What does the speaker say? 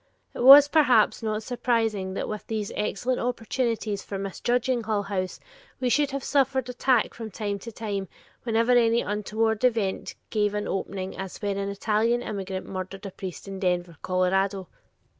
It was, perhaps, not surprising that with these excellent opportunities for misjudging Hull House, we should have suffered attack from time to time whenever any untoward event gave an opening as when an Italian immigrant murdered a priest in Denver, Colorado.